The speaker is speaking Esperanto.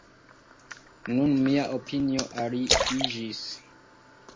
Nun mia opinio aliiĝis.